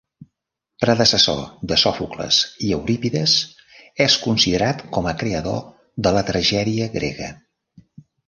Predecessor de Sòfocles i Eurípides, és considerat com a creador de la tragèdia grega.